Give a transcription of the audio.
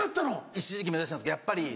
一時期目指したんですけどやっぱり。